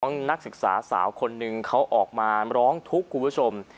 นักศึกษาสาวคนหนึ่งเขาออกมาร้องทุกข์คุณผู้ชม